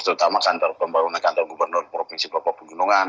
terutama kantor pembangunan kantor gubernur provinsi bapak pegunungan